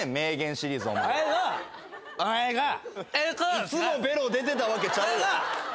いつもベロ出てたわけちゃうよ。